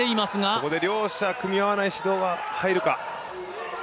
ここで両者、組み合わない指導が入るか。